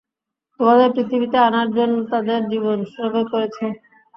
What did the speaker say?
তোমাদের পৃথিবীতে আনার জন্য তাদের জীবন উৎসর্গ করেছে।